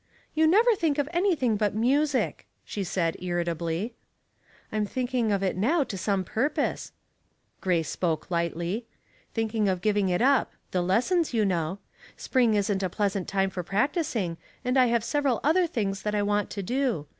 " You never think of anything but music she said, irritably. Debts and Doubts, 109 " I'm thinking of it now to some purpose." Grace spoke lightly. Thinking of giving it up — the lessons, you know. Spring isn't a pleasant time for practicing, and I have several other things that I want to do.